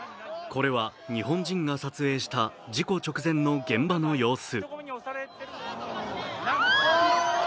これは日本人が撮影した事故直前の現場の様子。